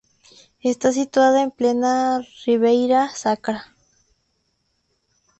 Está situada en plena Ribeira Sacra.